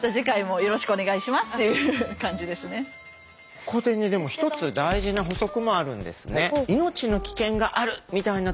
ここでね１つ大事な補足もあるんですね。